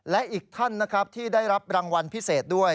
และอีกท่านนะครับที่ได้รับรางวัลพิเศษด้วย